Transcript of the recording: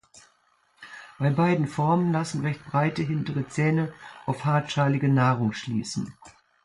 Bei beiden Formen lassen recht breite hintere Zähne auf hartschalige Nahrung schließen.